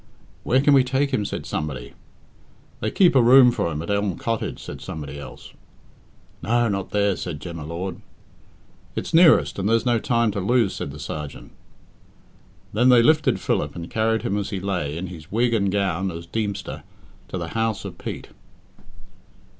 "Where can we take him?" said somebody. "They keep a room for him at Elm Cottage," said somebody else. "No, not there," said Jem y Lord. "It's nearest, and there's no time to lose," said the sergeant. Then they lifted Philip, and carried him as he lay, in his wig and gown as Deemster, to the house of Pete.